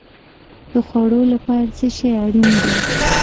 د خوړو لپاره څه شی اړین دی؟